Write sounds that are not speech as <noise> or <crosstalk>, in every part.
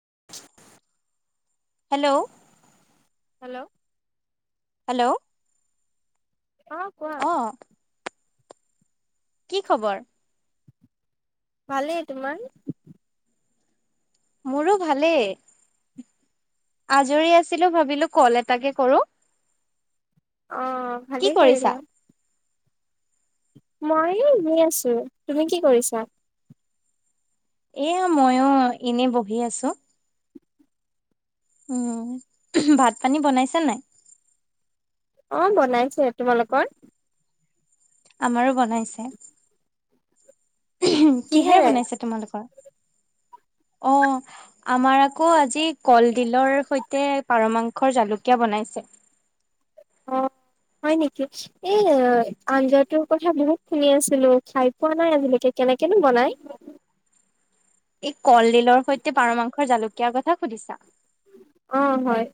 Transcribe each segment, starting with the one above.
<unintelligible> Hello hello hello অ কোৱা অ কি খবৰ ভালেই তোমাৰ মোৰো ভালেই আজৰি আছিলো ভাবিলো কল এটাকে কৰো অ কি ভালেই কৰিছা কৰিলা মই শুই আছো তুমি কি কৰিছা এয়া মইও এনেই বহি আছো উম, ভাত পানী বনাইছা নাই? অ বনাইছে তোমালোকৰ আমাৰো বনাইছে কিহে কিহেৰে বনাইছে তোমালোকৰ অ আমাৰ আকৌ আজি কলডিলৰ সৈতে পাৰ মাংসৰ জলকীয়া বনাইছে অ হয় নেকি এ আঞ্জাটোৰ কথা বহুত শুনি আছিলো খাই পোৱা নাই আজিলৈকে কেনেকেনো বনাই এই কলডিলৰ সৈতে পাৰ মাংসৰ জালুক কি কথা সুধিছা অ হয়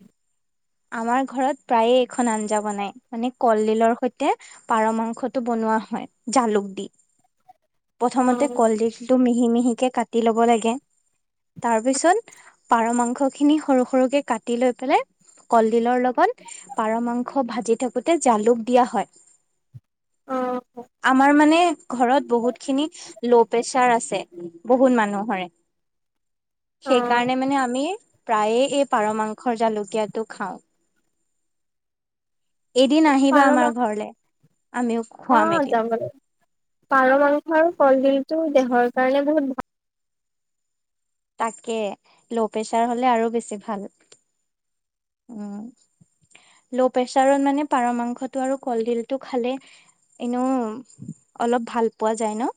আমাৰ ঘৰত প্ৰায়ে এইখন আঞ্জা বনাই মানে কলডিলৰ সৈতে পাৰ মাংসটো বনোৱা হয় জালুক দি অ প্ৰথমতে কলডিলটো মিহি মিহি কে কাটি ল'ব লাগে তাৰ পিছত পাৰ মাংসখিনি সৰু সৰুকে কাটি লৈ পেলাই কলডিলৰ লগত পাৰ মাংস ভাজি থাকোতে জালুক দিয়া হয় অ আমাৰ মানে ঘৰত বহুত ল প্ৰেচাৰ আছে বহুত মানুহৰে অ সেইকাৰণে মানে আমি প্ৰায়ে এই পাৰ মাংসৰ জলুকদিয়াটো খাওঁ এদিন আহিবা পাৰ আমাৰ মাংস ঘৰলে আমিও অ খুৱাম এদিন যাব লাগিব পাৰ মাংস আৰু কলদিল তোৰ দেহৰ কাৰণে বহুত ভাল তাকে ল' প্ৰেচাৰ হলে আৰু বেছি ভাল উম ল' প্ৰেচাৰত মানে পাৰ মাংসটো আৰু কলডিলটো খালে এনেইও অলপ ভাল পোৱা যায় ন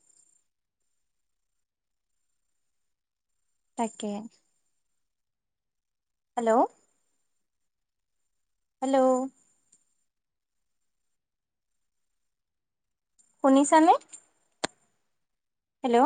তাকে। হেল্ল' হেল্লও শুনিছানে হেল্ল'।